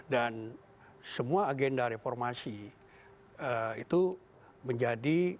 dan semua agenda reformasi itu menjadi